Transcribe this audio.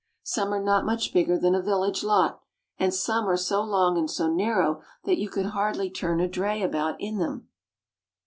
Some are not much bigger than a vil lage lot, and some are so long and so narrow that you could hardly turn a dray about in them.